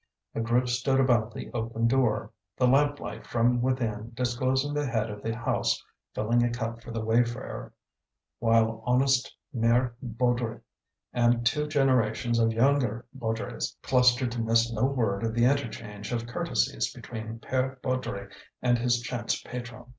A group stood about the open door, the lamp light from within disclosing the head of the house filling a cup for the wayfarer; while honest Mere Baudry and two generations of younger Baudrys clustered to miss no word of the interchange of courtesies between Pere Baudry and his chance patron.